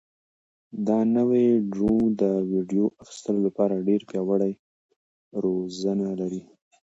دا نوی ډرون د ویډیو اخیستلو لپاره ډېر پیاوړي وزرونه لري.